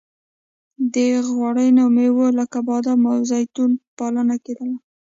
د غوړینو میوو لکه بادام او زیتون پالنه کیدله.